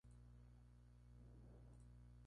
El Clausura consta de una ronda de todos contra todos.